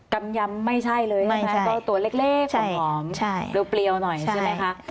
กำยำไม่ใช่เลยตัวเล็กลึกเปลี่ยวหน่อยใช่ไหมคะ